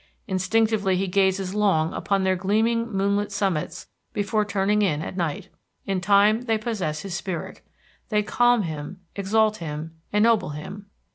Instinctively he gazes long upon their gleaming moonlit summits before turning in at night. In time they possess his spirit. They calm him, exalt him, ennoble him.